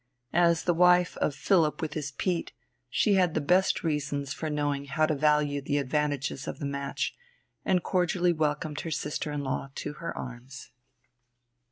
As the wife of Philipp with his peat, she had the best reasons for knowing how to value the advantages of the match, and cordially welcomed her sister in law to her arms.